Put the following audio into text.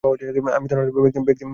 আমি ধনাঢ্য ব্যাক্তি না-হলেও দরিদ্র নই!